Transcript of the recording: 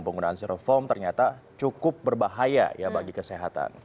penggunaan steroform ternyata cukup berbahaya bagi kesehatan